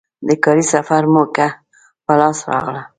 د کاري سفر موکه په لاس راغله.